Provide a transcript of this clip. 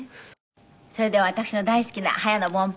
それでは私の大好きな早野凡平さん